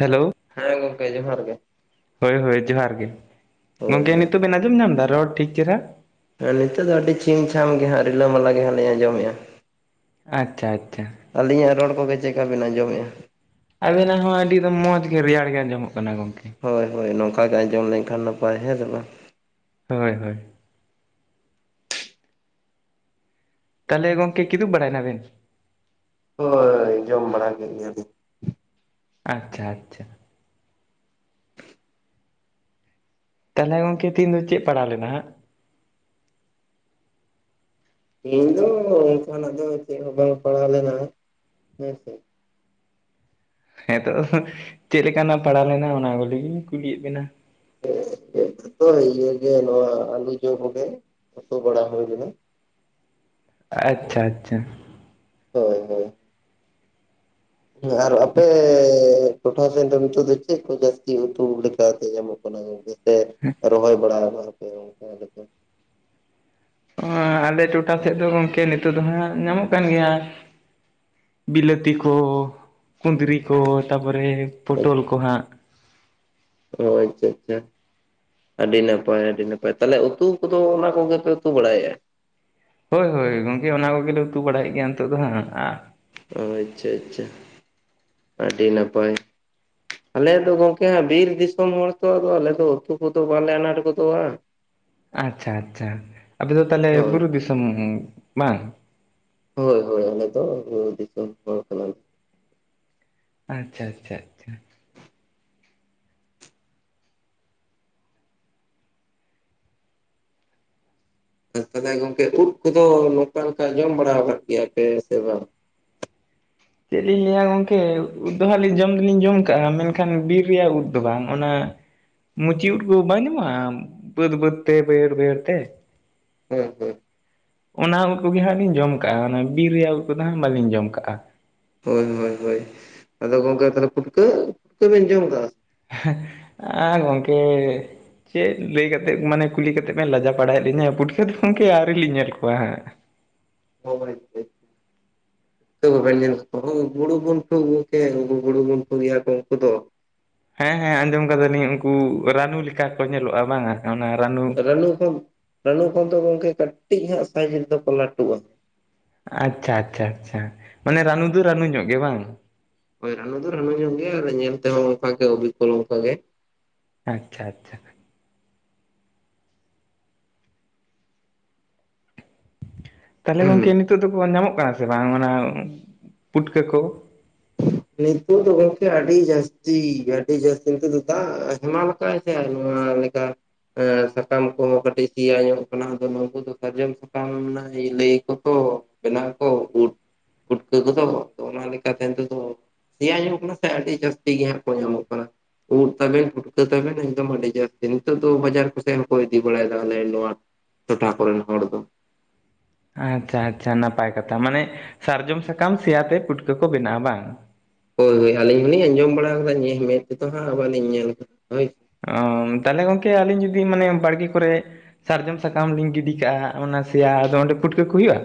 Hello ᱦᱮᱸ ᱜᱚᱝᱠᱮ ᱡᱚᱦᱟᱨ ᱜᱮ ᱦᱳᱭ ᱦᱳᱭ ᱡᱚᱦᱟᱨ ᱜᱮ ᱦᱳᱭ ᱜᱚᱝᱠᱮ ᱦᱳᱭ ᱱᱤᱛᱚᱜ ᱛᱚᱵᱮ ᱟᱸᱡᱚᱢ ᱧᱟᱢ ᱫᱟ ᱨᱚᱲ ᱴᱷᱤᱠ ᱪᱮᱨᱦᱟ ᱦᱮᱸ ᱱᱤᱛᱚᱜ ᱫᱚ ᱟᱹᱰᱤ ᱪᱷᱤᱢ ᱪᱷᱟᱢ ᱜᱮ ᱦᱟᱸᱜ ᱨᱤᱞᱟᱹᱢᱟᱞᱟ ᱜᱮ ᱦᱟᱸᱜ ᱞᱤᱧ ᱟᱸᱡᱚᱢᱮᱜᱼᱟ ᱟᱪᱷᱟ ᱟᱪᱷᱟ ᱟᱹᱞᱤᱧᱟᱜ ᱨᱚᱲ ᱠᱚᱜᱮ ᱪᱮᱫᱠᱟ ᱵᱤᱱ ᱟᱸᱡᱚᱢᱮᱫᱼᱟ ᱟᱵᱮᱱᱟᱜ ᱦᱚᱸ ᱟᱹᱰᱤ ᱢᱚᱸᱡᱽ ᱜᱮ ᱨᱮᱭᱟᱲ ᱜᱮ ᱟᱸᱡᱚᱢᱚᱜ ᱠᱟᱱᱟ ᱜᱚᱝᱠᱮ ᱦᱳᱭ ᱦᱳᱭ ᱱᱚᱝᱠᱟ ᱜᱮ ᱟᱸᱡᱚᱢ ᱞᱮᱱᱠᱷᱟᱱ ᱱᱟᱯᱟᱭ ᱦᱮᱸ ᱥᱮ ᱵᱟᱝ ᱦᱳᱭ ᱦᱳᱭ ᱛᱟᱦᱚᱞᱮ ᱜᱚᱝᱠᱮ ᱠᱤᱫᱩᱵ ᱵᱟᱲᱟᱭ ᱱᱟ ᱵᱮᱱ ᱦᱳᱭ ᱡᱚᱢ ᱢᱟᱲᱟ ᱠᱮ ᱜᱮᱭᱟᱞᱤᱧ ᱟᱪᱷᱟ ᱟᱪᱷᱟ ᱛᱟᱦᱚᱞᱮ ᱜᱚᱢᱠᱮ ᱛᱮᱦᱮᱧ ᱫᱚ ᱪᱮᱫ ᱯᱟᱲᱟᱣ ᱞᱮᱱᱟ ᱦᱟᱸ ᱤᱧ ᱫᱚ ᱚᱱᱠᱟᱱᱟᱜ ᱫᱚ ᱪᱮᱫ ᱦᱚᱸ ᱵᱟᱝ ᱯᱟᱲᱟᱣ ᱞᱮᱱᱟ ᱦᱮᱸᱥᱮ ᱱᱤᱛᱚᱜ ᱪᱮᱫ ᱞᱮᱠᱟᱱᱟᱜ ᱯᱟᱲᱟᱣ ᱞᱮᱱᱟ ᱚᱱᱟ ᱠᱚ ᱞᱟᱹᱜᱤᱫᱜᱤᱧ ᱠᱩᱞᱤᱭᱮᱫ ᱵᱮᱱᱟ [unintelligible] ᱚᱛᱚ ᱤᱭᱮ ᱱᱚᱣᱟ ᱟᱹᱞᱩ ᱡᱚ ᱠᱚᱜᱮ ᱩᱛᱩ ᱵᱟᱲᱟ ᱦᱩᱭ ᱞᱮᱱᱟ ᱟᱪᱷᱟ ᱟᱪᱷᱟ ᱦᱳᱭ ᱦᱳᱭ ᱟᱨ ᱟᱯᱮ ᱴᱚᱴᱷᱟ ᱥᱮᱱ ᱫᱚ ᱱᱤᱛᱚᱜ ᱫᱚ ᱪᱮᱫ ᱠᱚ ᱡᱟᱹᱥᱛᱤ ᱩᱛᱩ ᱞᱮᱠᱟ ᱛᱮ ᱧᱟᱢᱚᱜ ᱠᱟᱱᱟ ᱚᱱᱟ ᱠᱚᱜᱮ ᱥᱮ ᱨᱚᱦᱚᱭ ᱵᱟᱲᱟ ᱠᱟᱫᱟᱯᱮ ᱚᱱᱠᱟ ᱟᱫᱚ [unintelligible] ᱮᱸ ᱟᱞᱮ ᱴᱚᱴᱷᱟ ᱥᱮᱫ ᱫᱚ ᱜᱚᱝᱠᱮ ᱱᱤᱛᱳᱜ ᱫᱚ ᱦᱟᱸᱜ ᱧᱟᱢᱚᱜ ᱠᱟᱱ ᱜᱮᱭᱟ ᱵᱤᱞᱟᱹᱛᱤ ᱠᱚ ᱠᱩᱸᱫᱽᱨᱤ ᱠᱚ ᱛᱟᱯᱚᱨᱮ ᱯᱚᱴᱚᱞ ᱠᱚ ᱦᱟᱸᱜ ᱚ ᱟᱪᱷᱟ ᱟᱪᱷᱟ ᱟᱹᱰᱤ ᱱᱟᱯᱟᱭ ᱟᱹᱰᱤ ᱱᱟᱯᱟᱭ ᱛᱟᱦᱚᱞᱮ ᱩᱛᱩ ᱠᱚᱫᱚ ᱚᱱᱟ ᱠᱚᱜᱮᱯᱮ ᱩᱛᱩ ᱵᱟᱲᱟᱭᱮᱫᱼᱟ ᱦᱳᱭ ᱦᱳᱭ ᱜᱚᱝᱠᱮ ᱚᱱᱟ ᱠᱚᱜᱮᱞᱮ ᱩᱛᱩ ᱵᱟᱲᱟᱭᱮᱫ ᱜᱮᱭᱟ ᱱᱤᱛᱚᱜ ᱫᱚ ᱦᱟᱸᱜ ᱚ ᱟᱪᱷᱟ ᱟᱪᱷᱟ ᱟᱹᱰᱤ ᱱᱟᱯᱟᱭ ᱟᱞᱮ ᱫᱚ ᱜᱚᱝᱠᱮ ᱦᱟᱸᱜ ᱵᱤᱨ ᱫᱤᱥᱚᱢ ᱦᱚᱲ ᱛᱚ ᱟᱞᱮ ᱫᱚ ᱩᱛᱩ ᱠᱚᱫᱚ ᱵᱟᱞᱮ ᱟᱱᱟᱴ ᱜᱚᱫᱚᱜᱼᱟ ᱟᱪᱷᱟ ᱟᱪᱷᱟ ᱟᱯᱮ ᱫᱚ ᱛᱟᱦᱞᱮ ᱦᱳᱭ ᱵᱩᱨᱩ ᱫᱤᱥᱚᱢ ᱵᱟᱝ ᱦᱳᱭ ᱦᱳᱭ ᱟᱞᱮ ᱫᱚ ᱵᱩᱨᱩ ᱫᱤᱥᱚᱢ ᱦᱚᱲ ᱠᱟᱱᱟ ᱞᱮ ᱟᱪᱷᱟ ᱟᱪᱷᱟ ᱟᱪᱷᱟ ᱛᱟᱦᱚᱞᱮ ᱜᱚᱝᱠᱮ ᱩᱫ ᱠᱚᱫᱚ ᱱᱚᱝᱠᱟ ᱱᱚᱝᱠᱟ ᱡᱚᱢ ᱵᱟᱲᱟ ᱠᱟᱫ ᱜᱮᱭᱟ ᱯᱮ ᱥᱮ ᱵᱟᱝ ᱪᱮᱫ ᱞᱤᱧ ᱞᱟᱹᱭᱟ ᱜᱚᱢᱠᱮ ᱩᱫ ᱫᱚ ᱡᱚᱢ ᱫᱚᱞᱤᱧ ᱡᱚᱢ ᱠᱟᱜᱼᱟ ᱢᱮᱱᱠᱷᱟᱱ ᱵᱤᱨ ᱨᱮᱭᱟᱜ ᱩᱫ ᱫᱚ ᱵᱟᱝ ᱚᱱᱟ ᱢᱩᱪᱤ ᱩᱫ ᱠᱚ ᱵᱟᱱᱩᱜᱼᱟ ᱵᱟᱹᱫᱽ ᱵᱟᱹᱫᱽ ᱛᱮ ᱵᱟᱹᱭᱦᱟᱹᱲ ᱵᱟᱹᱭᱦᱟᱹᱲ ᱛᱮ [unintelligible] ᱚᱱᱟ ᱩᱫ ᱠᱚᱜᱮ ᱦᱟᱸᱜ ᱞᱤᱧ ᱡᱚᱢ ᱠᱟᱜᱼᱟ ᱚᱱᱟ ᱵᱤᱨ ᱨᱮᱭᱟᱜ ᱩᱞ ᱠᱚᱫᱚ ᱦᱟᱸᱜ ᱵᱟᱹᱞᱤᱧ ᱡᱚᱢ ᱠᱟᱜᱼᱟ ᱦᱳᱭ ᱦᱳᱭ ᱦᱳᱭ ᱟᱫᱚ ᱜᱚᱢᱠᱮ ᱛᱟᱦᱚᱞᱮ ᱯᱷᱩᱴᱠᱟᱹ ᱯᱷᱩᱴᱠᱟᱹᱵᱮᱱ ᱡᱚᱢ ᱠᱟᱜᱼᱟ ᱟᱨ ᱜᱚᱝᱠᱮ ᱪᱮᱫ ᱞᱟᱹᱭ ᱠᱟᱛᱮᱫ ᱢᱟᱱᱮ ᱠᱩᱞᱤ ᱠᱟᱛᱮᱫ ᱞᱟᱡᱟ ᱵᱟᱲᱟᱭᱮᱫ ᱞᱤᱧᱟᱹ ᱯᱩᱴᱠᱟᱹᱫᱚ ᱜᱚᱢᱠᱮ ᱟᱹᱣᱨᱤ ᱞᱤᱧ ᱧᱮᱞ ᱠᱚᱣᱟ ᱦᱟᱸᱜ ᱦᱚᱭ ᱠᱚ ᱜᱩᱲᱩ ᱵᱩᱱᱴᱩ ᱠᱚ ᱩᱱ ᱜᱩᱲᱩ ᱵᱩᱱᱴᱩ ᱜᱮᱭᱟ ᱠᱚ ᱩᱱᱠᱩ ᱫᱚ ᱦᱮᱸ ᱦᱮᱸ ᱟᱸᱡᱚᱢ ᱠᱟᱫᱟᱞᱤᱧ ᱩᱱᱠᱩ ᱨᱟᱱᱩ ᱞᱮᱠᱟ ᱠᱚ ᱧᱮᱞᱚᱜᱼᱟ ᱵᱟᱝᱟ ᱚᱱᱟ ᱨᱟᱱᱩ ᱠᱚ ᱨᱟᱱᱩ ᱠᱚ ᱫᱚ ᱜᱚᱝᱠᱮ ᱠᱟᱹᱴᱤᱡ ᱦᱟᱸᱜ ᱥᱟᱭᱤᱡ ᱨᱮᱫᱚ ᱠᱚ ᱞᱟᱹᱴᱩᱜᱼᱟ ᱟᱪᱷᱟ ᱟᱪᱷᱟ ᱟᱪᱷᱟ ᱢᱟᱱᱮ ᱨᱟᱱᱩ ᱫᱚ ᱨᱟᱱᱩ ᱧᱚᱜ ᱜᱮ ᱵᱟᱝ ᱦᱳᱭ ᱨᱟᱱᱩ ᱫᱚ ᱨᱟᱱᱩ ᱠᱟᱱ ᱜᱮᱭᱟ ᱧᱮᱞᱛᱮᱦᱚᱸ ᱯᱷᱟᱸᱠ ᱜᱮ ᱵᱩᱵᱩᱞ ᱛᱟᱸᱦᱮ ᱱᱚᱝᱠᱟ ᱜᱮ ᱟᱪᱷᱟ ᱟᱪᱷᱟ ᱛᱟᱞᱦᱮ ᱜᱚᱝᱠᱮ ᱱᱤᱛᱚᱜ ᱫᱚᱠᱚ ᱧᱟᱢᱚᱜ ᱠᱟᱱᱟ ᱥᱮ ᱵᱟᱝ ᱚᱱᱟ ᱯᱩᱴᱠᱟᱹ ᱠᱚ ᱱᱤᱛᱳᱜ ᱫᱚ ᱜᱚᱢᱠᱮ ᱟᱹᱰᱤ ᱡᱟᱹᱥᱛᱤ ᱟᱹᱰᱤ ᱡᱟᱹᱥᱛᱤ ᱱᱤᱛᱳᱜ ᱫᱚ ᱫᱟᱜ ᱦᱮᱢᱟᱞ ᱠᱟᱜ ᱟ ᱥᱮ ᱟᱨ ᱱᱚᱣᱟ ᱞᱮᱠᱟ [unintelligible] ᱥᱟᱠᱟᱢ ᱠᱚᱦᱚᱸ ᱠᱟᱹᱴᱤᱡ ᱥᱤᱭᱟ ᱧᱚᱜ ᱠᱟᱱᱟ ᱟᱫᱚ ᱱᱩᱠᱩ ᱫᱚ ᱥᱟᱨᱡᱚᱢ ᱥᱟᱠᱟᱢ ᱨᱮᱱᱟᱜ ᱤᱭᱟᱹ ᱞᱟᱹᱭ ᱟᱠᱚ ᱛᱚ ᱵᱮᱱᱟᱜ ᱟᱠᱚ ᱩᱫ ᱯᱩᱴᱠᱟᱹ ᱠᱚᱫᱚ ᱛᱚ ᱚᱱᱟ ᱞᱮᱠᱟ ᱛᱮ ᱥᱮᱭᱟ ᱧᱚᱜ ᱠᱟᱱᱟ ᱥᱮ ᱟᱹᱰᱤ ᱡᱟᱹᱥᱛᱤ ᱜᱮ ᱦᱟᱸᱜ ᱠᱚ ᱧᱟᱢᱚᱜ ᱠᱟᱱᱟ ᱩᱫ ᱛᱟᱵᱮᱱ ᱯᱷᱩᱴᱠᱟᱹ ᱛᱟᱵᱮᱱ ᱮᱠᱫᱚᱢ ᱟᱹᱰᱤ ᱡᱟᱹᱥᱛᱤ ᱱᱤᱛᱚᱜ ᱫᱚ ᱵᱟᱡᱟᱨ ᱠᱚ ᱥᱮᱫ ᱦᱚᱸᱠᱚ ᱤᱫᱤ ᱵᱟᱲᱟᱭ ᱫᱟ ᱟᱞᱮ ᱱᱚᱣᱟ ᱴᱚᱴᱷᱟ ᱠᱚᱨᱮᱱ ᱦᱚᱲ ᱫᱚ ᱟᱪᱪᱷᱟ ᱟᱪᱪᱷᱟ ᱱᱟᱯᱟᱭ ᱠᱟᱛᱷᱟ ᱢᱟᱱᱮ ᱥᱟᱨᱡᱚᱢ ᱥᱟᱠᱟᱢ ᱥᱮᱭᱟ ᱛᱮ ᱯᱩᱴᱠᱟᱹ ᱠᱚ ᱵᱮᱱᱟᱜᱼᱟ ᱵᱟᱝ ᱦᱳᱭ ᱦᱳᱭ ᱟᱹᱞᱤᱧ ᱦᱚᱸᱞᱤᱧ ᱟᱸᱡᱚᱢ ᱵᱟᱲᱟ ᱟᱠᱟᱫᱟ ᱡᱮ ᱢᱮᱫ ᱛᱮᱛᱚ ᱦᱟᱸᱜ ᱵᱟᱹᱞᱤᱧ ᱧᱮᱞ ᱟᱠᱟᱫᱟ ᱦᱳᱭ ᱚ ᱛᱟᱞᱦᱮ ᱜᱚᱝᱠᱮ ᱟᱹᱞᱤᱧ ᱡᱩᱫᱤ ᱢᱟᱱᱮ ᱵᱟᱲᱜᱤ ᱠᱚᱨᱮᱜ ᱥᱟᱨᱡᱚᱢ ᱥᱟᱠᱟᱢ ᱞᱤᱧ ᱜᱤᱰᱤ ᱠᱟᱜᱼᱟ ᱚᱱᱟ ᱥᱮᱭᱟ ᱟᱫᱚ ᱚᱸᱰᱮ ᱯᱩᱴᱠᱟᱹ ᱠᱚ ᱦᱩᱭᱩᱜᱼᱟ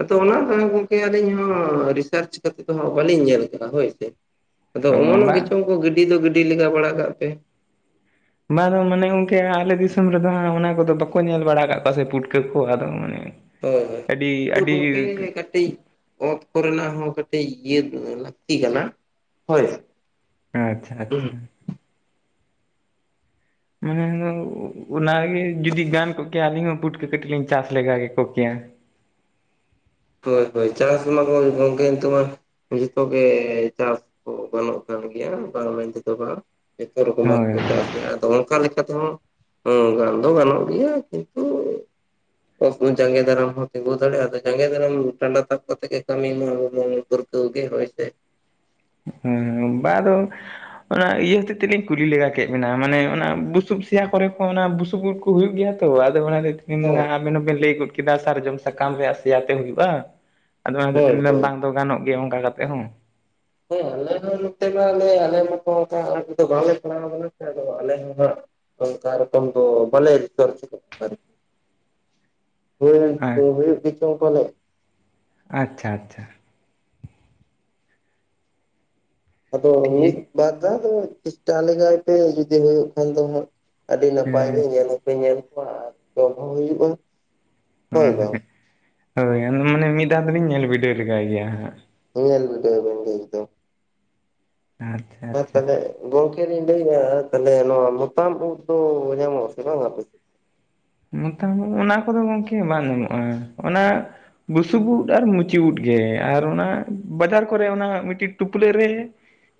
ᱟᱫᱚ ᱚᱱᱟ ᱜᱚᱢᱠᱮ ᱟᱹᱞᱤᱧ ᱦᱚᱸ ᱨᱤᱥᱟᱨᱪ ᱠᱟᱛᱮ ᱫᱚ ᱦᱟᱸᱜ ᱵᱟᱹᱞᱤᱧ ᱧᱮᱞ ᱠᱟᱫᱟ ᱦᱳᱭ ᱥᱮ ᱟᱫᱚ ᱚ ᱚᱢᱚᱱᱼᱚᱜ ᱵᱟᱝ ᱜᱮᱪᱚᱝ ᱠᱚ ᱜᱤᱰᱤ ᱫᱚ ᱜᱤᱰᱤ ᱞᱮᱜᱟ ᱵᱟᱲᱟ ᱠᱟᱜ ᱯᱮ ᱵᱟ ᱟᱫᱚ ᱢᱟᱱᱮ ᱜᱚᱢᱠᱮ ᱟᱞᱮ ᱫᱤᱥᱚᱢ ᱨᱮᱫᱚ ᱦᱟᱸᱜ ᱚᱱᱟ ᱠᱚᱫᱚ ᱵᱟᱠᱚ ᱧᱮᱞ ᱵᱟᱲᱟ ᱠᱟᱜ ᱠᱚᱣᱟ ᱥᱮ ᱯᱩᱴᱠᱟᱹ ᱠᱚ ᱟᱫᱚ ᱢᱟᱱᱮ ᱦᱳᱭ ᱦᱳᱭ ᱟᱹᱰᱤ ᱟᱫᱚ ᱜᱚᱢᱠᱮ ᱟᱹᱰᱤ ᱠᱟᱹᱴᱤᱡ ᱚᱛ ᱠᱚ ᱨᱮᱱᱟᱜ ᱦᱚᱸ ᱠᱟᱹᱴᱤᱡ ᱤᱭᱟᱹ ᱞᱟᱹᱠᱛᱤ ᱠᱟᱱᱟ ᱦᱳᱭ ᱟᱪᱪᱷᱟ ᱟᱪᱪᱷᱟ ᱢᱟᱱᱮ ᱟᱫᱚ ᱚᱱᱟ ᱜᱮ ᱡᱩᱫᱤ ᱜᱟᱱ ᱠᱚᱜ ᱠᱮᱭᱟ ᱟᱹᱞᱤᱧ ᱦᱚᱸ ᱯᱩᱴᱠᱟᱹ ᱠᱟᱹᱴᱤᱡ ᱞᱤᱧ ᱪᱟᱥ ᱞᱮᱜᱟ ᱠᱮᱠᱚ ᱠᱮᱭᱟ ᱦᱳᱭ ᱦᱳᱭ ᱪᱟᱥ ᱢᱟ ᱵᱚᱱ ᱜᱚᱢᱠᱮ ᱱᱤᱛᱩᱜ ᱢᱟ ᱡᱚᱛᱚ ᱜᱮ ᱪᱟᱥ ᱠᱚ ᱜᱟᱱᱚᱜ ᱠᱟᱱ ᱜᱮᱭᱟ ᱵᱟᱝ ᱢᱮᱱᱛᱮ ᱫᱚ ᱵᱟᱝ ᱡᱚᱛᱚ ᱨᱚᱠᱚᱢᱼᱟᱜ ᱦᱳᱭ ᱜᱮᱠᱚ ᱪᱟᱥ ᱟᱫᱚ ᱚᱱᱠᱟ ᱞᱮᱠᱟ ᱛᱮᱦᱚᱸ ᱜᱟᱱ ᱫᱚ ᱜᱟᱱᱚᱜ ᱜᱮᱭᱟ ᱠᱤᱱᱛᱩ ᱡᱟᱸᱜᱮ ᱫᱟᱨᱟᱢ ᱦᱚᱸ ᱛᱤᱜᱩ ᱫᱟᱲᱮᱜᱼᱟ ᱟᱫᱚ ᱡᱟᱸᱜᱮ ᱫᱟᱨᱟᱢ ᱴᱟᱸᱰᱟ ᱛᱟᱵ ᱠᱟᱛᱮ ᱜᱮ ᱠᱟᱹᱢᱤ ᱢᱟ ᱟᱵᱚ ᱫᱚᱵᱚᱱ ᱯᱟᱹᱨᱠᱟᱹᱶ ᱜᱮ ᱦᱳᱭ ᱥᱮ ᱦᱮᱸ ᱵᱟ ᱟᱫᱚ ᱚᱱᱟ ᱤᱭᱟᱹ ᱦᱚᱛᱮᱡ ᱛᱮ ᱞᱤᱧ ᱠᱩᱞᱤ ᱞᱮᱜᱟ ᱠᱮᱫ ᱵᱮᱱᱟ ᱢᱟᱱᱮ ᱚᱱᱟ ᱵᱩᱥᱩᱵ ᱥᱮᱭᱟ ᱠᱚᱨᱮ ᱦᱚᱸ ᱚᱱᱟ ᱵᱩᱥᱩᱵ ᱳᱫ ᱠᱚ ᱦᱩᱭᱩᱜ ᱜᱮᱭᱟ ᱛᱚ ᱟᱫᱚ ᱚᱱᱟ ᱦᱳᱭ ᱟᱵᱮᱱ ᱦᱚᱸᱵᱮᱱ ᱞᱟᱹᱭ ᱜᱚᱫ ᱠᱮᱫᱟ ᱥᱟᱨᱡᱚᱢ ᱥᱟᱠᱟᱢ ᱨᱮᱭᱟᱜ ᱥᱮᱭᱟ ᱛᱮ ᱦᱩᱭᱩᱜᱼᱟ ᱟᱫᱚ ᱚᱱᱟ ᱦᱚᱛᱮᱡ ᱛᱮ ᱞᱤᱧ ᱞᱟᱹᱭ ᱫᱟ ᱦᱳᱭ ᱵᱟᱝ ᱫᱚ ᱜᱟᱱᱚᱜ ᱜᱮᱭᱟ ᱚᱱᱠᱟ ᱠᱟᱛᱮ ᱦᱚᱸ ᱦᱮᱸ ᱟᱞᱮ ᱦᱚᱸ ᱱᱚᱛᱮ ᱢᱟᱞᱮ ᱟᱞᱮ ᱢᱟᱛᱚ ᱚᱝᱠᱟ ᱵᱟᱝᱞᱮ ᱯᱟᱲᱦᱟᱣ ᱠᱟᱱᱟ ᱥᱮ ᱟᱫᱚ ᱟᱞᱮ ᱦᱚᱸ ᱦᱟᱸᱜ ᱚᱱᱠᱟ ᱨᱚᱠᱚᱢ ᱛᱚ ᱵᱟᱞᱮ ᱨᱤᱥᱟᱨᱪ ᱠᱟᱫᱟ [unintelligible] ᱦᱩᱭ ᱦᱩᱭᱩᱜ ᱜᱮᱪᱚᱝ ᱯᱟᱞᱮᱜ ᱟᱪᱪᱷᱟ ᱟᱪᱪᱷᱟ ᱟᱫᱚ ᱢᱤᱫ ᱴᱷᱤᱠ ᱵᱟᱨ ᱫᱷᱟᱶ ᱫᱚ ᱪᱮᱥᱴᱟ ᱞᱮᱜᱟᱭ ᱯᱮ ᱡᱩᱫᱤ ᱦᱩᱭᱩᱜ ᱠᱷᱟᱱ ᱫᱚ ᱦᱟᱸᱜ ᱟᱹᱰᱤ ᱱᱟᱯᱟᱭ ᱜᱮ ᱦᱮᱸ ᱧᱮᱞ ᱦᱚᱸᱯᱮ ᱧᱮᱞ ᱠᱚᱣᱟ ᱟᱨ ᱡᱚᱢ ᱦᱚᱸ ᱦᱩᱭᱩᱜᱼᱟ ᱦᱳᱭ ᱵᱟᱝ ᱦᱮᱸ ᱦᱳᱭ ᱢᱟᱱᱮ ᱢᱤᱫ ᱫᱷᱟᱣ ᱫᱚᱞᱤᱧ ᱧᱮᱞ ᱵᱤᱰᱟᱹᱣ ᱞᱮᱜᱟᱭ ᱜᱮᱭᱟ ᱦᱟᱸᱜ ᱧᱮᱞ ᱵᱤᱰᱟ. ᱣ ᱵᱮᱱ ᱞᱟ. ᱭ ᱫᱟ ᱟᱨ ᱦᱮᱸ ᱛᱟᱞᱦᱮ ᱜᱚᱝᱠᱮ ᱞᱤᱧ ᱞᱟᱹᱭᱮᱜᱼᱟ ᱛᱟᱞᱦᱮ ᱱᱚᱣᱟ ᱢᱚᱛᱟᱢ ᱩᱫ ᱫᱚ ᱧᱟᱢᱚᱜ ᱟ ᱥᱮ ᱵᱟᱝ ᱟᱯᱮ ᱥᱮᱫ ᱢᱚᱛᱟᱢ ᱩᱫ ᱚᱱᱟ ᱠᱚᱫᱚ ᱜᱚᱢᱠᱮ ᱵᱟᱝ ᱧᱟᱢᱚᱜ-ᱟ ᱚᱱᱟ ᱵᱩᱥᱩᱵ ᱩᱫ ᱟᱨ ᱢᱩᱪᱤ ᱩᱫ ᱜᱮ ᱟᱨ ᱚᱱᱟ ᱵᱟᱡᱟᱨ ᱠᱚᱨᱮ ᱚᱱᱟ ᱢᱤᱫᱴᱤᱡ ᱴᱩᱯᱞᱟᱹᱜ ᱨᱮ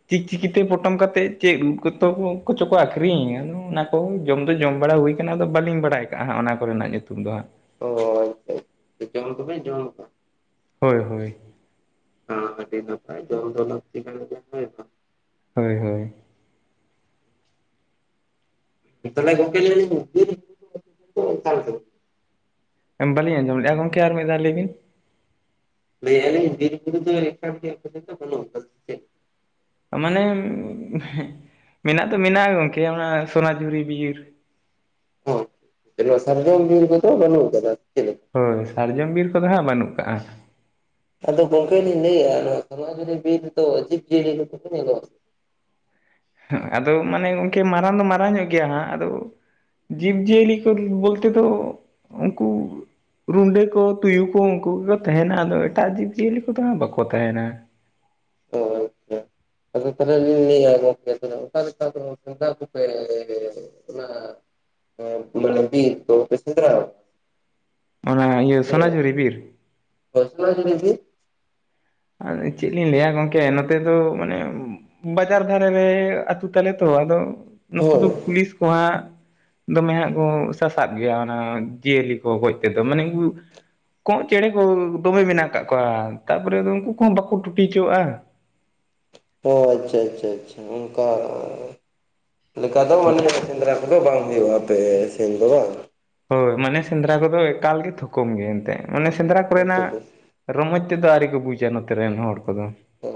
ᱪᱤᱠᱪᱤᱠᱤ ᱛᱮ ᱯᱚᱴᱚᱢ ᱠᱟᱛᱮᱫ ᱪᱮᱫ ᱩᱫ ᱠᱚᱛᱚ ᱠᱚ ᱠᱚᱪᱚ ᱠᱚ ᱟᱠᱷᱨᱤᱧ ᱟᱫᱚ ᱚᱱᱟ ᱡᱚᱢ ᱫᱚ ᱡᱚᱢ ᱵᱟᱲᱟ ᱦᱩᱭ ᱠᱟᱱᱟ ᱟᱫᱚ ᱵᱟᱹᱞᱤᱧ ᱵᱟᱰᱟᱭ ᱠᱟᱜᱼᱟ ᱦᱟᱸᱜ ᱚᱱᱟ ᱠᱚ ᱨᱮᱱᱟᱜ ᱧᱩᱛᱩᱢ ᱫᱚ ᱦᱟᱸᱜ ᱚ ᱟᱪᱪᱷᱟ ᱟᱪᱪᱷᱟ ᱡᱚᱢ ᱫᱚᱯᱮ ᱡᱚᱢ ᱦᱳᱭ ᱦᱳᱭ ᱟᱱ ᱟᱹᱰᱤ ᱱᱟᱯᱟᱭ ᱫᱚᱞᱚᱛ ᱛᱮᱜᱮ ᱦᱳᱭ ᱦᱳᱭ ᱛᱟᱞᱦᱮ ᱜᱚᱢᱠᱮ ᱞᱟᱹᱭ ᱫᱟᱞᱤᱧ ᱵᱟᱹᱞᱤᱧ ᱟᱸᱡᱚᱢ ᱞᱮᱜᱼᱟ ᱜᱚᱢᱠᱮ ᱟᱨ ᱢᱤᱫ ᱫᱷᱟᱶ ᱞᱟᱹᱭ ᱵᱤᱱ ᱞᱟᱹᱭ ᱮᱜᱼᱟ ᱵᱤᱨ ᱵᱷᱤᱛᱨᱤ ᱫᱚ ᱮᱠᱟᱞ ᱢᱟᱱᱮ ᱢᱮᱱᱟᱜ ᱫᱚ ᱢᱮᱱᱟᱜ-ᱟ ᱜᱚᱝᱠᱮ ᱚᱱᱟ ᱥᱩᱱᱟᱡᱷᱩᱨᱤ ᱵᱤᱨ [unintelligible] ᱥᱟᱨᱡᱚᱢ ᱵᱤᱨ ᱠᱚ ᱫᱚ ᱵᱟᱹᱱᱩᱜ ᱠᱟᱫᱟ ᱪᱮᱝ ᱦᱳᱭ ᱥᱟᱨᱡᱚᱢ ᱵᱤᱨ ᱠᱚᱫᱚ ᱦᱟᱸᱜ ᱵᱟᱹᱱᱩᱜ ᱠᱟᱜ-ᱟ ᱟᱫᱚ ᱜᱚᱝᱠᱮ ᱞᱤᱧ ᱞᱟᱹᱭᱮ-ᱟ ᱱᱚᱣᱟ ᱥᱩᱱᱟᱡᱷᱩᱨᱤ ᱵᱤᱨ ᱨᱮᱫᱚ ᱡᱤᱵᱷ ᱡᱤᱭᱟᱞᱤ ᱦᱮᱸ ᱟᱫᱚ ᱢᱟᱱᱮ ᱜᱚᱝᱠᱮ ᱢᱟᱨᱟᱝ ᱫᱚ ᱢᱟᱨᱟᱝ ᱧᱚᱜ ᱜᱮᱭᱟ ᱦᱟᱸᱜ ᱟᱫᱚ ᱡᱤᱵᱽ ᱡᱤᱭᱟᱹᱞᱤ ᱠᱚ ᱵᱚᱞᱛᱮ ᱫᱚ ᱩᱱᱠᱩ ᱨᱩᱸᱰᱟᱹ ᱠᱚ ᱛᱩᱭᱩ ᱠᱚ ᱩᱱᱠᱩ ᱜᱮᱠᱚ ᱛᱟᱦᱮᱱᱟ ᱟᱫᱚ ᱮᱴᱟᱜ ᱡᱤᱵᱽ ᱡᱤᱭᱟᱹᱞᱤ ᱠᱚᱫᱚ ᱦᱟᱸᱜ ᱵᱟᱠᱚ ᱛᱟᱦᱮᱱᱟ, ᱚ ᱟᱪᱪᱷᱟ ᱟᱫᱚ ᱛᱟᱦᱞᱮ ᱟᱹᱞᱤᱧ ᱞᱟᱹᱭᱮ ᱟ [inaudible] ᱚᱱᱟ ᱵᱤᱨ [unintelligible] ᱚᱱᱟ ᱤᱭᱟᱹ ᱥᱚᱱᱟᱡᱷᱩᱨᱤ ᱵᱤᱨ ᱦᱮᱸ ᱥᱩᱱᱟᱡᱷᱩᱨᱤ ᱵᱤᱨ ᱟᱨ ᱪᱤᱫ ᱞᱤᱧ ᱞᱟᱹᱭᱟ ᱜᱚᱢᱠᱮ ᱱᱚᱛᱮ ᱫᱚ ᱢᱟᱱᱮ ᱵᱟᱡᱟᱨ ᱫᱷᱟᱨᱮ ᱨᱮ ᱟᱹᱛᱩ ᱛᱟᱞᱮ ᱛᱚ ᱟᱫᱚ ᱱᱚᱛᱮ ᱦᱳᱭ ᱫᱚ ᱯᱩᱞᱤᱥ ᱠᱚ ᱦᱟᱸᱜ ᱫᱚᱢᱮ ᱦᱟᱸᱜ ᱠᱚ ᱥᱟᱥᱟᱵ ᱜᱮᱭᱟ ᱚᱱᱟ ᱡᱤᱭᱟᱹᱞᱤ ᱠᱚ ᱜᱚᱡ ᱛᱮᱫᱚ ᱢᱟᱱᱮ ᱠᱚᱸᱜ ᱪᱮᱬᱮ ᱠᱚ ᱫᱚᱢᱮ ᱢᱮᱱᱟᱜ ᱠᱟᱜ ᱠᱚᱣᱟ ᱛᱟᱯᱚᱨᱮ ᱩᱱᱠᱩ ᱠᱩᱦᱚᱸ ᱵᱟᱠᱚ ᱴᱩᱴᱤ ᱩᱪᱩᱣᱟᱜ-ᱟ ᱟᱪᱪᱷᱟ ᱟᱪᱪᱷᱟ ᱟᱪᱷᱟ ᱚᱱᱠᱟ ᱞᱮᱠᱟ ᱫᱚ ᱢᱟᱱᱮ ᱥᱮᱸᱫᱽᱨᱟ ᱠᱚᱫᱚ ᱵᱟᱝ ᱦᱩᱭᱩᱜ-ᱟ ᱟᱯᱮ ᱥᱤᱱ ᱫᱚ ᱵᱟᱝ? ᱦᱳᱭ ᱢᱟᱱᱮ ᱥᱮᱸᱫᱽᱨᱟ ᱠᱚᱫᱚ ᱮᱠᱟᱞ ᱜᱮ ᱛᱷᱩᱠᱩᱢ ᱜᱮ ᱮᱱᱛᱮ ᱢᱟᱱᱮ ᱥᱮᱸᱫᱽᱨᱟ ᱚᱱᱛᱮ ᱠᱚᱨᱮᱱᱟᱜ ᱨᱚᱢᱚᱡᱽᱛᱮ ᱫᱚ ᱟᱹᱣᱨᱤᱠᱚ ᱵᱩᱡᱟ ᱱᱚᱛᱮᱨᱮᱱ ᱦᱚᱲ ᱠᱩ ᱫᱚ ᱛᱚ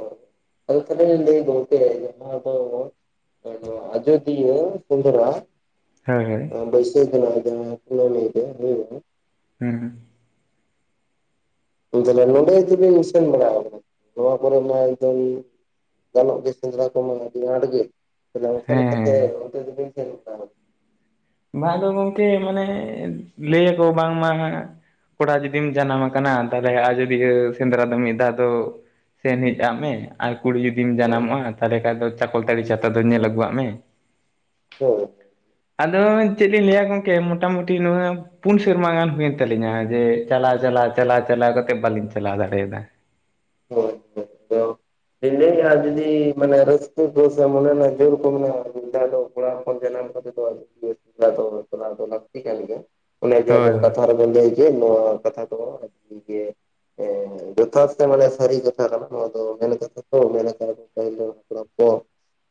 ᱟᱫᱚ ᱛᱚᱵᱮ ᱞᱤᱧ ᱞᱟᱹᱭ [inaudible] ᱱᱚᱶᱟ ᱫᱚ ᱟᱡ ᱟᱡᱚᱫᱤᱭᱟᱹ ᱥᱮᱸᱫᱽᱨᱟ ᱦᱮᱸ ᱦᱮᱸ ᱵᱟᱹᱭᱥᱟᱹᱠ ᱠᱷᱟᱱᱟᱜ [inaudible] ᱞᱟᱹᱭᱫᱟᱭ ᱞᱟᱹᱭᱮᱜ-ᱟᱭ ᱦᱩᱸ ᱦᱩᱸ [inaudible] ᱱᱚᱸᱰᱮ ᱡᱩᱫᱤᱵᱮᱱ ᱥᱮᱱ ᱵᱟᱲᱟ ᱟᱠᱟᱱᱟ ᱱᱚᱣᱟ ᱠᱚᱨᱮ ᱢᱟ ᱮᱠᱫᱚᱢ ᱜᱟᱱᱚᱜ ᱜᱮ ᱥᱮᱸᱫᱽᱨᱟ ᱠᱚᱢᱟ ᱟᱹᱰᱤ ᱟᱸᱴ ᱜᱮ ᱛᱟᱦᱞᱮ ᱚᱱᱠᱟ ᱦᱮᱸ ᱞᱮᱠᱟᱛᱮ ᱦᱮᱸ ᱚᱱᱛᱮ ᱡᱩᱫᱤ ᱵᱮᱱ ᱧᱮᱞ ᱟᱹᱜᱩᱠᱚᱣᱟ ᱢᱟ ᱫᱚ ᱜᱚᱢᱠᱮ ᱢᱟᱱᱮ ᱞᱟᱹᱭᱟᱠᱚ ᱵᱟᱝᱢᱟ ᱠᱚᱲᱟ ᱡᱩᱫᱤᱢ ᱡᱟᱱᱟᱢ ᱟᱠᱟᱱᱟ ᱟᱫᱚ ᱟᱡᱚᱫᱤᱭᱟᱹ ᱥᱮᱸᱫᱽᱨᱟ ᱫᱚ ᱢᱤᱫ ᱫᱷᱟᱣ ᱫᱚ ᱥᱮᱱ ᱦᱮᱡ ᱟᱜ ᱢᱮ ᱟᱨ ᱠᱩᱲᱤ ᱡᱩᱫᱤᱢ ᱦᱳᱭ ᱡᱟᱱᱟᱢᱚᱜᱼᱟ ᱛᱟᱦᱞᱮ ᱠᱷᱟᱡ ᱫᱚ ᱪᱟᱠᱚᱞᱛᱟᱹᱨᱤ ᱪᱷᱟᱛᱟ ᱫᱚ ᱧᱮᱞ ᱟᱹᱜᱩᱣᱟᱜ ᱢᱮ᱾ ᱦᱳᱭ ᱫᱚ ᱪᱮᱫ ᱞᱤᱧ ᱞᱟᱹᱭᱟ ᱜᱚᱝᱠᱮ ᱢᱚᱴᱟᱢᱩᱴᱤ ᱱᱚᱣᱟ ᱯᱩᱱ ᱥᱮᱨᱢᱟ ᱜᱟᱱ ᱦᱩᱭᱮᱱ ᱛᱟᱹᱞᱤᱧᱟ ᱡᱮ ᱪᱟᱞᱟᱣ ᱪᱟᱞᱟᱣ ᱪᱟᱞᱟᱣ ᱪᱟᱞᱟᱣ ᱠᱟᱛᱮᱜ ᱵᱟᱞᱤᱧ ᱪᱟᱞᱟᱣ ᱫᱟᱲᱮᱭᱟᱫᱟ᱾ ᱦᱳᱭ ᱦᱳᱭ ᱦᱮᱞᱳ ᱢᱮᱱ ᱫᱟᱹᱧ ᱟᱨ ᱡᱩᱫᱤ ᱢᱟᱱᱮ ᱨᱟᱹᱥᱠᱟᱹ ᱠᱚᱥᱮ ᱢᱚᱱᱮ ᱨᱮᱭᱟᱜ ᱡᱳᱨ ᱠᱚ ᱢᱮᱱᱟᱜ-ᱟ [unintelligible] ᱫᱚ ᱠᱚᱲᱟ ᱦᱚᱯᱚᱱ ᱡᱟᱱᱟᱢ ᱠᱟᱛᱮ ᱟᱡᱚᱫᱤᱭᱟᱹᱥᱮᱸᱫᱽᱨᱟ ᱫᱚ ᱪᱟᱞᱟᱣ ᱫᱚ ᱞᱟᱹᱠᱛᱤ ᱠᱟᱱ ᱜᱮᱭᱟ, ᱚᱱᱮ ᱡᱮ ᱦᱳᱭ ᱟᱫᱚ ᱠᱟᱛᱷᱟ ᱦᱳᱭ ᱨᱮᱵᱮᱱ ᱞᱟᱹᱭ ᱠᱮᱫ ᱱᱚᱣᱟ ᱠᱟᱛᱷᱟ ᱠᱚ ᱦᱮᱸ ᱡᱚᱛᱷᱟᱛ ᱛᱚ ᱢᱟᱱᱮ ᱥᱟᱹᱨᱤ ᱠᱟᱛᱷᱟ ᱠᱟᱱᱟ ᱱᱚᱭᱟ ᱫᱚ ᱢᱮᱱ ᱠᱟᱫ ᱫᱟᱠᱚ ᱢᱮᱠᱟᱜᱼᱟ ᱠᱚ ᱯᱟᱦᱤᱞ ᱨᱮᱱ ᱦᱟᱯᱲᱟᱢ ᱠᱚ᱾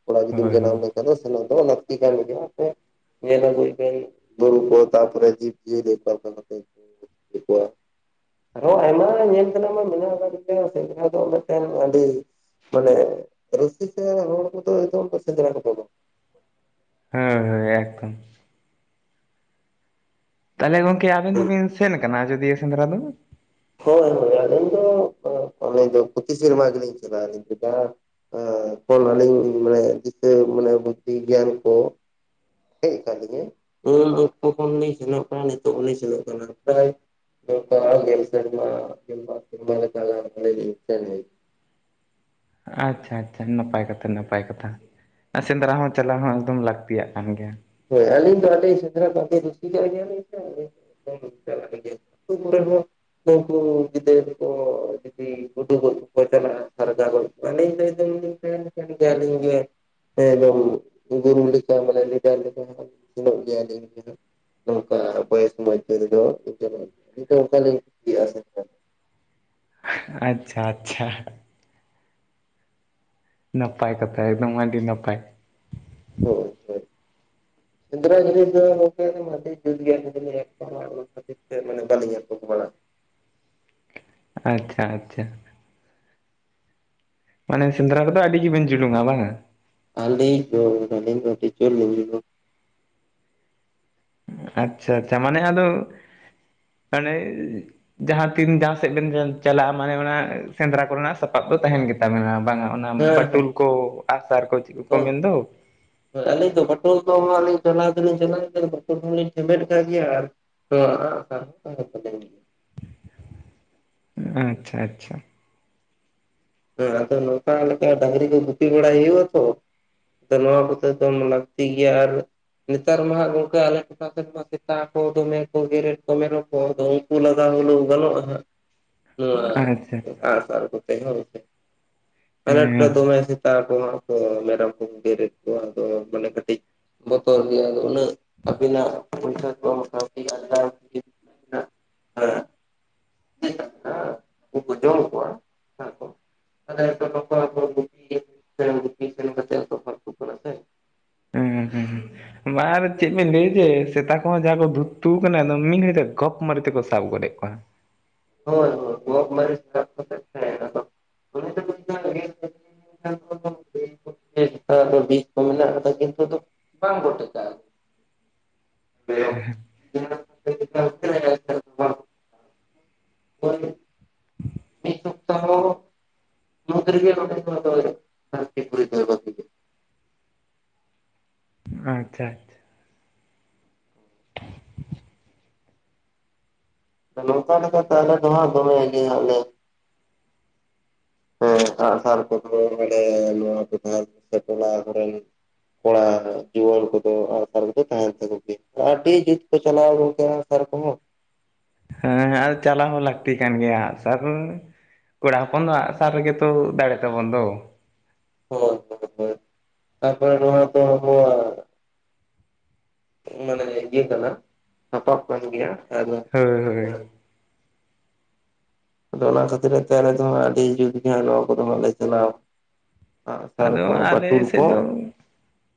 ᱠᱚᱲᱟ ᱜᱤᱫᱟᱹᱨ ᱦᱳᱭ ᱡᱟᱱᱟᱢ ᱞᱮᱱᱠᱷᱟᱱ ᱥᱮᱱᱚᱜ ᱫᱚ ᱞᱟ. ᱠᱛᱤ ᱠᱟᱱ ᱜᱮᱭᱟ ᱛᱚ ᱧᱮᱞ ᱟᱜᱩᱭ ᱫᱟᱹᱧ ᱵᱩᱨᱩ ᱠᱚ ᱛᱯᱚᱨᱮ ᱡᱤᱵ ᱡᱤᱭᱟ. ᱞᱤ ᱠᱚ [unintelligible] ᱟᱨ ᱦᱚᱸ ᱟᱭᱢᱟ ᱧᱮᱞ ᱛᱮᱱᱟᱜ ᱢᱟ ᱢᱮᱱᱟᱜ ᱟᱠᱟᱫᱟ ᱢᱟ ᱮᱛᱮᱟ ᱫᱚ ᱢᱮᱱᱠᱷᱟᱱ ᱟᱹᱰᱤ ᱢᱟᱱᱮ ᱨᱟᱹᱥᱠᱟᱹ ᱥᱮ ᱨᱚᱲ ᱠᱚ ᱫᱚ ᱮᱠᱫᱚᱢ ᱯᱮ ᱥᱮᱫᱽᱨᱟᱭᱟ ᱟᱯᱮ ᱫᱚ ᱦᱮᱸ ᱦᱮᱸ ᱮᱠ ᱛᱟᱦᱚᱞᱮ ᱜᱚᱝᱠᱮ ᱟᱵᱮᱱ ᱫᱚᱵᱮᱱ ᱥᱮᱱ ᱠᱟᱱᱟ ᱟᱡᱚᱫᱤᱭᱟᱹ ᱥᱮᱸᱫᱽᱨᱟ ᱫᱚ? ᱦᱳᱭ ᱦᱳᱭ ᱟᱵᱮᱱ ᱫᱚ ᱟᱵᱮᱱ ᱫᱚ ᱯᱚᱛᱤ ᱥᱮᱨᱢᱟ ᱜᱮᱞᱤᱧ ᱪᱟᱞᱟᱜ [inaudible] ᱯᱷᱞ ᱟᱹᱞᱤᱧ ᱢᱟᱱᱮ ᱫᱤᱥᱟᱹ ᱢᱟᱱᱮ ᱵᱩᱫᱽᱫᱷᱤ ᱜᱮᱭᱟᱱ ᱠᱚ ᱦᱮᱡ ᱠᱟᱜ ᱞᱤᱧᱟᱹ ᱩᱱᱚᱠᱛᱚ ᱠᱷᱚᱱᱞᱤᱧ ᱥᱮᱱᱚᱜ ᱠᱟᱱᱟ ᱱᱤᱛᱚᱜ ᱩᱱᱤ ᱥᱮᱞᱮᱫ ᱨᱚᱲ ᱨᱮ ᱯᱨᱟᱭ ᱫᱚᱨᱠᱟᱨ ᱟᱨ ᱜᱮᱞ ᱥᱮᱨᱢᱟ ᱜᱮᱞᱵᱟᱨ ᱥᱮᱨᱢᱟ ᱞᱮᱠᱟ ᱟᱹᱞᱤᱧ ᱞᱤᱧ ᱥᱮ ᱦᱮᱡ ᱟᱪᱪᱷᱟ ᱟᱪᱪᱷᱟ ᱱᱟᱯᱟᱭ ᱠᱟᱛᱷᱟ ᱱᱟᱯᱟᱭ ᱠᱟᱛᱷᱟ, ᱥᱮᱸᱫᱽᱨᱟ ᱦᱚᱸ ᱪᱟᱞᱟᱣ ᱦᱚᱸ ᱮᱠᱫᱚᱢ ᱞᱟᱹᱠᱛᱤᱭᱟᱜ ᱠᱟᱱ ᱜᱮᱭᱟ ᱦᱳᱭ ᱟᱹᱞᱤᱧ ᱫᱚ ᱟᱹᱞᱤᱧ ᱥᱮᱸᱫᱽᱨᱟ ᱟᱹᱰᱤᱨᱩᱥᱤ ᱠᱟ ᱜᱮᱭᱟᱞᱤᱧ ᱥᱮ ᱨᱩᱥᱤᱠᱟ ᱟᱹᱰᱤ ᱜᱮ, [unintelligible] [unintelligible] [unintelligible] ᱟᱹᱞᱤᱧ ᱜᱮ ᱦᱮᱸ ᱮᱠᱫᱚᱢ ᱜᱩᱨᱩ [unintelligible] [unintelligible] ᱜᱮᱭᱟ ᱱᱚᱸᱠᱟ ᱵᱚᱭᱚᱥ ᱢᱚᱫᱷᱮ ᱨᱮᱫᱚ [unintelligible] ᱱᱚᱝᱠᱟᱞᱤᱧ [unintelligible] ᱟᱪᱪᱷᱟ ᱟᱪᱪᱷᱟ ᱱᱟᱯᱟᱭ ᱠᱟᱛᱷᱟ ᱮᱠᱫᱚᱢ ᱟᱹᱰᱤ ᱱᱟᱯᱟᱭ ᱦᱚᱭ ᱥᱮ ᱥᱮᱸᱫᱽᱨᱟ ᱡᱤᱱᱤᱥ ᱫᱚ ᱜᱚᱢᱠᱮ ᱟᱹᱰᱤ ᱡᱩᱛ ᱜᱮ ᱟᱹᱞᱤᱧ ᱫᱩᱞᱤᱧ ᱟᱴᱠᱟᱨᱟ ᱚᱱᱟ ᱠᱷᱟᱹᱛᱤᱨ ᱛᱮ ᱢᱟᱱᱮ ᱵᱟᱹᱞᱤᱧ ᱟᱠᱚᱴ ᱵᱟᱲᱟᱜ ᱟᱪᱪᱷᱟ ᱟᱪᱪᱷᱟ ᱢᱟᱱᱮ ᱥᱮᱸᱫᱽᱨᱟ ᱨᱮᱫᱚ ᱟᱹᱰᱤ ᱜᱮ ᱵᱮᱱ ᱡᱩᱞᱩᱝᱟ ᱵᱟᱝᱼᱟ ᱟᱞᱤᱧ ᱫᱚ ᱫᱟᱞᱤᱧ ᱟᱰᱤ ᱡᱩᱨ ᱜᱮᱞᱮᱧ ᱡᱩᱞᱩᱝᱼᱟ ᱟᱪᱪᱷᱟ ᱟᱪᱪᱷᱟ ᱢᱟᱱᱮ ᱟᱫᱚ [unintelligible] ᱟᱱᱮ ᱡᱟᱦᱟᱸ ᱛᱤᱱ ᱡᱟᱦᱟᱸᱥᱮᱫ ᱵᱮᱱ ᱪᱟᱞᱟᱜᱼᱟ ᱢᱟᱱᱮ ᱚᱱᱟ ᱥᱮᱸᱫᱽᱨᱟ ᱠᱚᱨᱮᱱᱟᱜ ᱥᱟᱯᱟᱵ ᱫᱚ ᱛᱟᱦᱮᱱ ᱜᱮᱛᱟᱵᱮᱱᱟ ᱵᱟᱝᱟ ᱚᱱᱟ ᱦᱮᱸ ᱵᱟᱹᱴᱩᱞ ᱠᱚ ᱟᱜ ᱥᱟᱨ ᱠᱚ ᱪᱮᱫ ᱠᱚᱠᱚ ᱢᱮᱱ ᱫᱚ ᱟᱞᱤᱧ ᱫᱚ ᱵᱴᱚᱞ ᱠᱚ ᱢᱟ ᱞᱤᱧ ᱪᱟᱞᱳ ᱪᱟᱞᱟᱜ ᱠᱟᱱᱟ ᱵᱟᱴᱚᱞ ᱠᱚᱦᱚ ᱞᱤᱧ ᱴᱷᱮᱢᱮᱫ ᱠᱟᱜ ᱜᱮᱭᱟ ᱟᱨ ᱛᱚ ᱟᱸᱜ ᱥᱟᱨ [unintelligible] ᱟᱪᱪᱷᱟ ᱟᱪᱪᱷᱟ ᱦᱮᱸ ᱟᱫᱚ ᱱᱚᱝᱠᱟ ᱞᱮᱠᱟ ᱰᱟᱝᱨᱤ ᱠᱚ ᱜᱩᱯᱤ ᱵᱟᱲᱟᱭ ᱦᱩᱭᱩᱜᱼᱟ ᱛᱚ ᱟᱫᱚ ᱱᱚᱶᱟ ᱠᱚᱛᱮᱫᱚᱢ ᱞᱟᱹᱠᱛᱤ ᱜᱮᱭᱟ ᱟᱨ? ᱱᱮᱛᱟᱨ ᱢᱟᱦᱟᱸᱜ ᱜᱚᱝᱠᱮ ᱟᱞᱮ ᱴᱚᱴᱷᱟ ᱥᱮᱫ ᱢᱟ ᱥᱮᱛᱟ ᱠᱚ ᱫᱚᱢᱮ ᱠᱚ ᱜᱮᱨᱮᱮᱫ ᱠᱚ ᱢᱮᱨᱚᱢ ᱠᱚ ᱫᱚ ᱩᱞ ᱦᱟᱛᱟᱣᱟ ᱫᱚᱢ ᱜᱟᱱᱚᱜ ᱟᱦᱟᱸᱜ [inaudible] ᱱᱚᱶᱟ ᱟᱪᱪᱷᱟ ᱟᱸᱜ ᱥᱟᱨ ᱠᱚᱛᱮ ᱦᱚᱸ ᱟᱱᱟᱴ ᱨᱮ ᱦᱮᱸ ᱫᱚᱢᱮ ᱥᱮᱛᱟ ᱠᱚ ᱛᱚ ᱢᱮᱨᱚᱢ ᱠᱚᱠᱚ ᱜᱮᱨᱮᱫ ᱠᱚᱣᱟ ᱟᱫᱚ ᱢᱟᱱᱮ ᱠᱟᱹᱴᱤᱡ ᱵᱚᱛᱚᱨ ᱜᱮᱭᱟ ᱟᱫᱚ ᱩᱱᱟ. ᱜ ᱟᱹᱵᱤᱱᱟᱜ ᱯᱚᱭᱥᱟ ᱠᱚ ᱢᱚᱴᱟ ᱢᱚᱴᱤ ᱟᱞᱜᱟ ᱛᱮᱜᱤ ᱢᱮᱱᱟᱜ -ᱟ ᱪᱮᱫ ᱟᱠᱟᱱᱟ ᱩᱱᱠᱩ ᱠᱚ ᱡᱚᱢ ᱠᱚᱣᱟ ᱟᱨ ᱠᱚ ᱥᱟᱱᱟᱭ ᱡᱚᱱᱚᱢ ᱯᱚᱨᱵᱟᱫ ᱠᱚ ᱠᱟᱱᱟ ᱥᱮ ᱩᱸ ᱦᱩᱸ ᱵᱟ ᱟᱫᱚ ᱪᱮᱫ ᱵᱮᱱ ᱞᱟᱹᱭᱟ ᱡᱮ ᱥᱮᱛᱟ ᱠᱚᱦᱚᱸ ᱡᱟᱦᱟᱸ ᱠᱚ ᱫᱷᱩᱛᱩ ᱟᱠᱟᱱᱟ ᱫᱚ ᱢᱤᱫ ᱜᱷᱟᱲᱤᱡ ᱛᱮ ᱜᱚᱯ ᱢᱟᱨ ᱛᱮᱠᱚ ᱥᱟᱵ ᱜᱚᱫᱮᱜ ᱠᱚᱣᱟ ᱦᱚᱭ ᱦᱚᱭ ᱜᱚᱯᱢᱟᱹᱭ ᱥᱟᱵ ᱠᱟᱛᱮᱜ [unintelligible] [unintelligible] ᱮᱡᱠᱟ ᱫᱚ ᱵᱤᱡ ᱠᱚ ᱢᱮᱱᱟᱜ ᱟᱠᱟᱫᱟ ᱠᱤᱱᱛᱩ ᱫᱚ ᱵᱟᱝᱠᱚ ᱴᱮᱠᱟᱜᱼᱟ ᱢᱮᱨᱚᱢ [inaudible] ᱳᱭ ᱢᱤᱫ ᱥᱚᱯᱛᱟᱦᱚ [unintelligible] ᱟᱪᱪᱷᱟ ᱱᱚᱝᱠᱟ ᱞᱮᱠᱟᱛᱮ ᱟᱞᱮ ᱫᱚ ᱦᱟᱸᱜ ᱫᱚᱢᱮ ᱜᱮ ᱦᱟᱸᱜ ᱞᱮ ᱦᱮᱸ ᱟᱜ ᱥᱟᱨ ᱟᱠᱚ ᱠᱚ ᱵᱟᱰᱟᱭᱟ ᱱᱚᱶᱟ ᱥᱤᱫᱷᱟᱨᱛ ᱛᱮ ᱪᱟᱞᱟᱣ ᱦᱮᱨᱮᱞ ᱠᱚᱲᱟ ᱡᱩᱣᱟᱹᱱ ᱠᱚᱫᱚ ᱟᱸᱜ ᱥᱟᱨ ᱠᱚᱫᱚ ᱛᱟᱦᱮᱱ ᱛᱟᱠᱚ ᱜᱮ ᱟᱹᱰᱤ ᱡᱩᱛ ᱠᱚ ᱪᱟᱞᱟᱣ ᱜᱚᱝᱠᱮ ᱦᱟᱸᱜ ᱛᱟᱨ ᱠᱚᱸᱦᱚ ᱦᱮᱸ ᱟᱨ ᱪᱟᱞᱟᱣ ᱦᱚᱸ ᱞᱟᱹᱠᱛᱤ ᱠᱟᱱ ᱜᱮᱭᱟ ᱟᱜ ᱥᱟᱨ ᱦᱚᱸ ᱠᱚᱲᱟ ᱦᱚᱯᱚᱱ ᱫᱚ ᱟᱜ ᱥᱟᱨ ᱨᱮᱜᱮ ᱛᱚ ᱫᱟᱲᱮ ᱛᱟᱵᱚᱱ ᱫᱚ᱾ ᱦᱚᱭ ᱦᱚᱭ ᱦᱚᱭ [inaudible] ᱛᱟᱯᱚᱨᱮ ᱱᱚᱣᱟ ᱫᱚ ᱟᱵᱚᱣᱟᱜ ᱢᱟᱱᱮ ᱤᱭᱟᱹ ᱠᱟᱱᱟ ᱥᱟᱯᱟᱵ ᱠᱟᱱ ᱜᱮᱭᱟ ᱟᱫᱚ ᱦᱟᱸ ᱦᱚᱭ ᱟᱫᱚ ᱚᱱᱟ ᱠᱷᱟᱹᱛᱤᱨ ᱛᱮ ᱟᱞᱮ ᱫᱚ ᱦᱟᱸᱜ ᱟᱹᱰᱤ ᱡᱩᱛ ᱜᱮ ᱱᱚᱶᱟ ᱠᱚᱫᱚ ᱦᱟᱸᱜ ᱞᱮ ᱪᱞᱟᱣᱟ ᱟᱜ ᱥᱟᱨ ᱟᱫᱚ ᱠᱚ ᱟᱞᱮ ᱵᱟᱹᱴᱩᱞ ᱥᱮᱫ ᱠᱚ ᱫᱚ